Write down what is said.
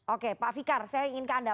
oke pak fikar saya ingin ke anda